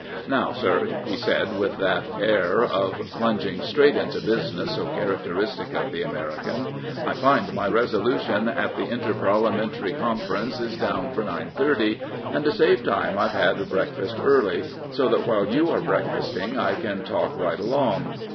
Now, sir," he said with that air of plunging straight into business so characteristic of the American, " I find my resolution at the Inter Parliamentary Con ference is down for 9.30, and to save time Tve had breakfast early, so that while you are breakfasting I can talk right along."